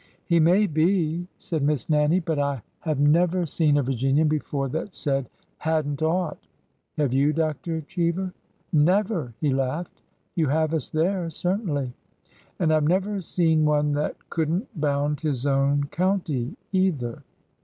'' He may be," said Miss Nannie ;'' but I have never BORDER HISTORY 115 seen a Virginian before that said ' had n't ought.' Have you, Dr. Cheever ?"'' Never !" he laughed. '' You have us there, certainly." " And I 've never seen one that could n't bound his own county, either."